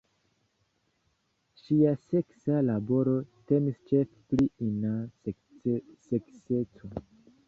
Ŝia seksa laboro temis ĉefe pri ina sekseco.